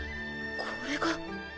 これが。